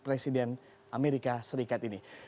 presiden amerika serikat ini